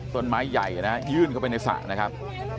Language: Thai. ต้นไม้ใหญ่นะฮะยื่นเข้าไปในสระนะครับ